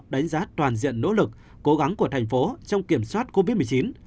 đánh giá toàn diện nỗ lực cố gắng của thành phố trong kiểm soát covid một mươi chín